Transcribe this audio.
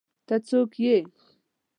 ته څوک ئې؟